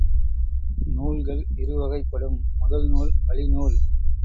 நூல்கள் இருவகைப்படும்: முதல் நூல், வழிநூல்.